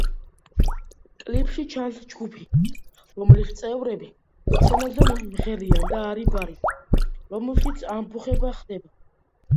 კლიპში ჩანს ჯგუფი, რომლის წევრები სცენაზე მღერიან და ბარი, რომელშიც ამბოხება ხდება.